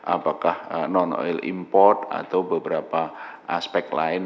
apakah non oil import atau beberapa aspek lain